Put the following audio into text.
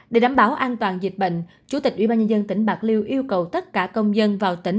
để đảm bảo an toàn dịch bệnh chủ tịch ủy ban nhân dân tỉnh bạc liêu yêu cầu tất cả công dân vào tỉnh